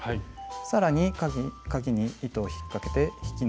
さらにかぎに糸を引っかけて引き抜きます。